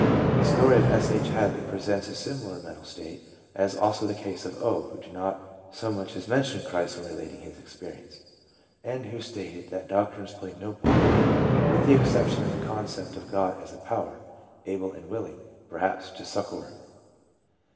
The story of S. H. Hadley presents a similar mental state, as also the case of 0., who did not so much as mention Christ when relating his experience, and who stated that doctrines played no part in it, with the ex ception of the concept of God as a power, able and willing, perhaps, to succor him.